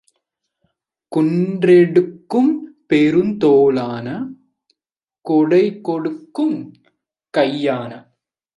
குன்றெடுக்கும் பெருந்தோளான் கொடைகொடுக்கும் கையான்!